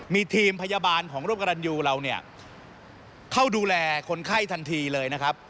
มีทีมพยาบาลของร่วมกระตันยูเราเนี่ยเข้าดูแลคนไข้ทันทีเลยนะครับ